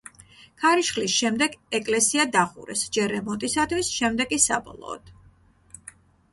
ქარიშხლის შემდეგ ეკელსია დახურეს, ჯერ რემონტისათვის, შემდეგ კი საბოლოოდ.